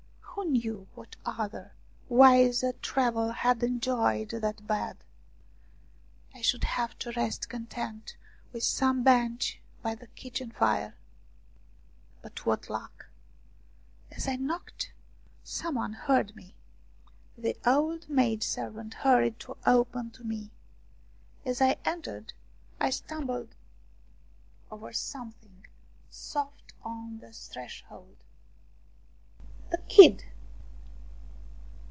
Who knew what other, wiser traveller had enjoyed that bed ! I should have to rest content with some bench by the kitchen fire. But what luck ! As I knocked some one heard me. The old maidservant hurried to open to me. As I entered I stumbled over something soft on the threshold. The kid